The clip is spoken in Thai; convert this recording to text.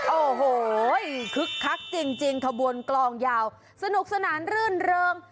โอ้โหคึกคักจริงขบวนกลองยาวสนุกสนานรื่นเริง